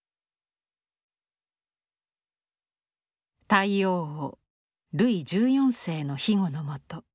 太陽王ルイ１４世の庇護のもと